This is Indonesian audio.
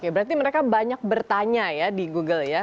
oke berarti mereka banyak bertanya ya di google ya